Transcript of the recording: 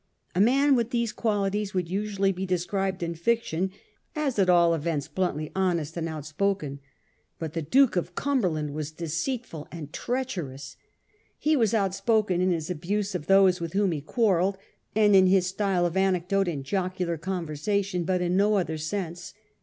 A man with these qualities would usually be de scribed in fiction as at all events bluntly honest and vol. I. d 18 A mSTOEY OF OUE OWN TIMES. CH. I, outspoken ; "but the Duke of Cumberland was deceit ful and treacherous. He was outspoken in his abuse of those with whom he quarrelled, and in his style of anecdote and jocular conversation ; but in no other sense.